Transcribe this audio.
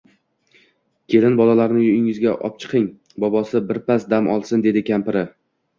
Kelin, bolalarni uyingizga opchiqing, bobosi birpas dam olsin, dedi kampiri